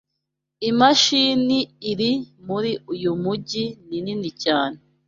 Imashini iri muri uyu mujyi ni nini cyane